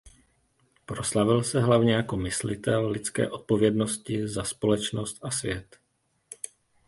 Proslavil se hlavně jako myslitel lidské odpovědnosti za společnost a svět.